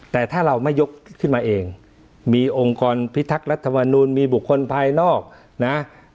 แต่ถ้าเราไม่ยกขึ้นมาเองมีองค์กรพิทักษ์รัฐมนูลมีบุคคลภายนอกนะ